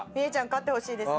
勝ってほしいですね。